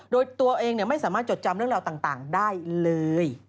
โดยตัวเองไม่ถึงสามารถจดจำหลังสิ่งเรื่องต่างได้เลย